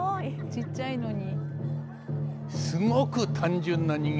ちっちゃいのに。